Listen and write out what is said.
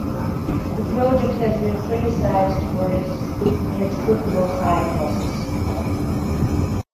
The project has been criticized for its inexplicable high costs.